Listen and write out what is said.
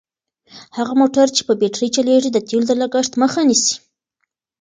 هغه موټر چې په بېټرۍ چلیږي د تېلو د لګښت مخه نیسي.